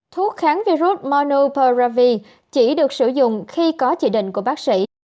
thuốc kháng virus monopori chỉ được sử dụng khi có chỉ định của bác sĩ